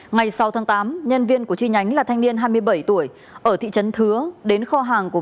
ngày sáu tháng tám nhân viên của chi nhánh là thanh niên hai mươi bảy tuổi ở thị trấn thứ đến kho hàng của